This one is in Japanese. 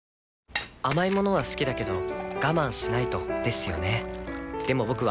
甘い物は好きだけど我慢しないとですよね